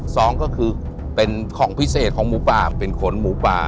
สองก็คือเป็นของพิเศษของหมูป่าเป็นขนหมูป่า